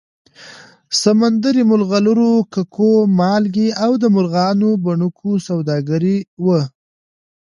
سمندري مرغلرو، ککو، مالګې او د مرغانو بڼکو سوداګري وه